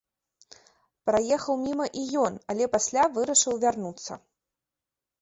Праехаў міма і ён, але пасля вырашыў вярнуцца.